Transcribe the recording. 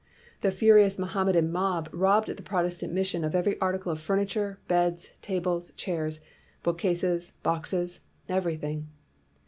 The furious Mohammedan mob robbed the Protestant mission of every article of furniture, beds, tables, chairs, book cases, boxes, everything.